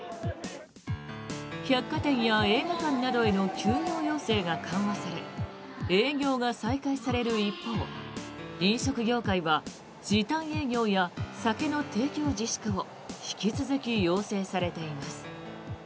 百貨店や映画館などへの休業要請が緩和され営業が再開される一方飲食業界は時短営業や酒の提供自粛を引き続き要請されています。